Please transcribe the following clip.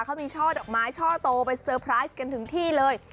เขามีช่อดอกไม้ช่อโตไปเซอร์ไพรส์กันถึงที่เลย